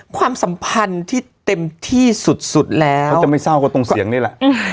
ความสัมพันธ์ที่เต็มที่สุดสุดแล้วเขาจะไม่เศร้าก็ตรงเสียงนี่แหละ